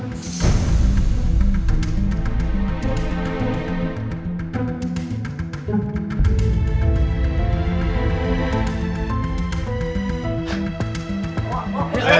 enggak mau bawa